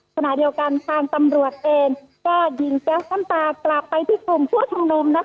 ขณะเดียวกันทางตำรวจเองก็ยิงแก๊สน้ำตากลับไปที่กลุ่มผู้ชุมนุม